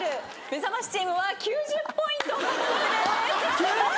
めざましチームは９０ポイント獲得です。